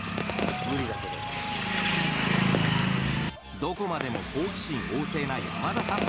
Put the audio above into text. どこまでも好奇心旺盛な山田さん。